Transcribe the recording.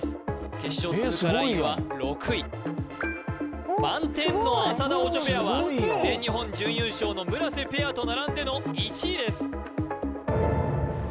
決勝通過ラインは６位満点の浅田・オチョペアは全日本準優勝の村瀬ペアと並んでの１位です